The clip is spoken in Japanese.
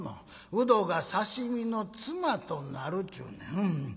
うどが刺身のつまとなるちゅうねん。